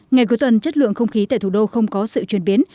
ngày cuối tuần chất lượng không khí tại thủ đô không có sự chuyển biến